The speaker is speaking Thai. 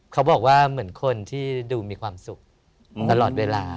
เขาบอกว่าเหมือนคนที่ดูมีความสุขตลอดเวลา